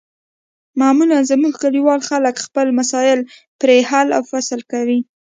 معمولا زموږ کلیوال خلک خپل مسایل پرې حل و فصل کوي.